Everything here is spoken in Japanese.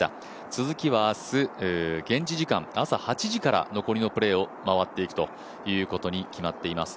続きは明日、現地時間朝８時から残りのプレーを回っていくということに決まっています。